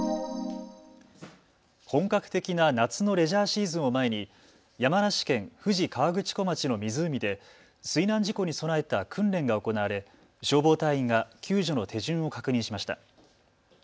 本格的な夏のレジャーシーズンを前に山梨県富士河口湖町の湖で水難事故に備えた訓練が行われ消防隊員が救助の手順を確認しました。